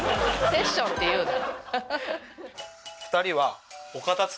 セッションって言うの？